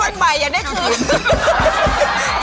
ช่างได้คืน